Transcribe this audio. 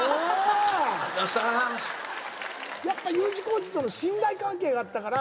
やっぱＵ字工事との信頼関係があったから。